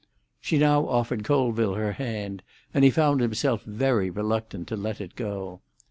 She now offered Colville her hand, and he found himself very reluctant to let it go.